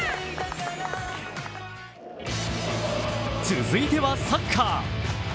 続いてはサッカー。